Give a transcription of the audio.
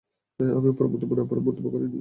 আমি উপরের মন্তব্য না পড়ে মন্তব্য করিনি।